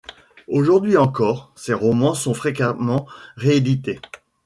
Aujourd’hui encore, ses romans sont fréquemment réédités.